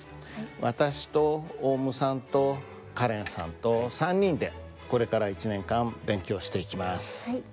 私とオウムさんとカレンさんと３人でこれから１年間勉強していきます。